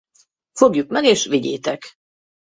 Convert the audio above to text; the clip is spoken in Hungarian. Fogjuk meg és vigyétek.